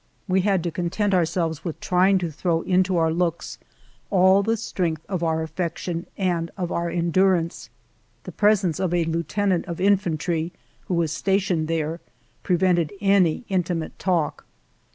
We had to content our ALFRED DREYFUS 301 selves with trying to throw into our looks all the strength of our affection and of our endurance. The presence of a lieutenant of infantry, who was stationed there, prevented any intimate talk.